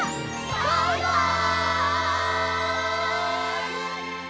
バイバイ！